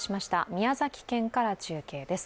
宮崎県から中継です。